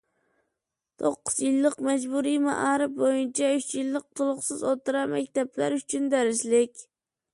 توققۇز يىللىق مەجبۇرىي مائارىپ بويىچە ئۈچ يىللىق تولۇقسىز ئوتتۇرا مەكتەپلەر ئۈچۈن دەرسلىك